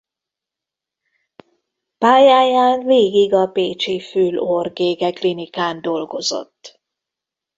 Pályáján végig a pécsi Fül-Orr-Gégeklinikán dolgozott.